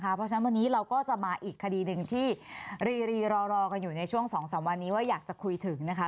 เพราะฉะนั้นวันนี้เราก็จะมาอีกคดีหนึ่งที่รีรอกันอยู่ในช่วง๒๓วันนี้ว่าอยากจะคุยถึงนะคะ